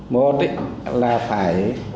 một là phải